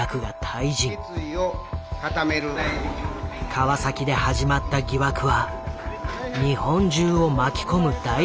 川崎で始まった疑惑は日本中を巻き込む大事件となった。